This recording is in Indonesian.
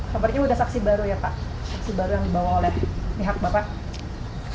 kabarnya sudah saksi baru ya pak saksi baru yang dibawa oleh pihak bapak